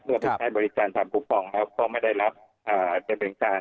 เพื่อใช้บริการทางฟูปองแล้วก็ไม่ได้รับเป็นเป็นการ